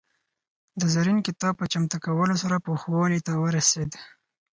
د زرین کتاب په چمتو کولو سره پوخوالي ته ورسېد.